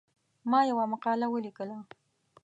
ما یوه مقاله ولیکله.